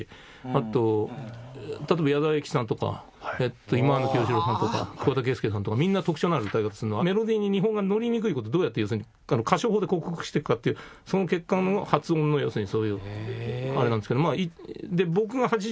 あと例えば矢沢永吉さんとか忌野清志郎さんとか桑田佳祐さんとかみんな特徴のある歌い方するのはメロディーに日本語が乗りにくい事をどうやって要するに歌唱法で克服していくかっていうその結果の発音の要するにそういうあれなんですけど。